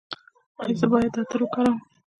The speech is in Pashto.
ایا زه باید عطر وکاروم؟